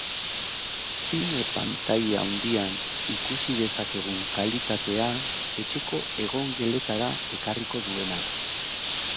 Zine pantaila handian ikusi dezakegun kalitatea etxeko egongeletara ekarriko duena.